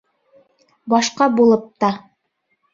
Башҡа булып та.